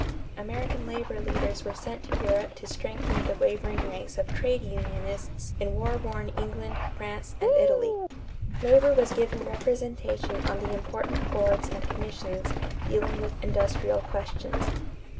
American labor leaders were sent to Europe to strengthen the wavering ranks of trade unionists in war worn England, France, and Italy. Labor was given representation on the important boards and commissions dealing with industrial questions.